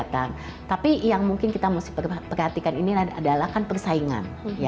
tapi yang mungkin kita harus perhatikan ini adalah persaingan